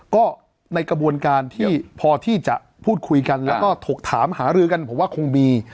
ก็ในกระบวนการที่พอที่จะพูดคุยกันแล้วก็ถกถามหารือกันผมว่าคงมี